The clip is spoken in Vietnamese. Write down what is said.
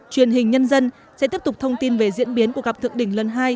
truyền hình nhân dân sẽ tiếp tục thông tin về diễn biến của gặp thượng đỉnh lần hai